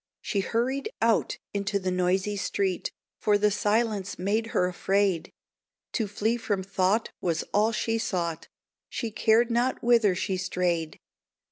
She hurried out into the noisy street, For the silence made her afraid; To flee from thought was all she sought, She cared not whither she strayed.